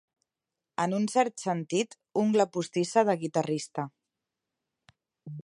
En un cert sentit, ungla postissa de guitarrista.